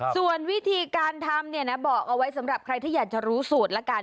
ส่วนวิธีการทำเนี่ยนะบอกเอาไว้สำหรับใครที่อยากจะรู้สูตรละกัน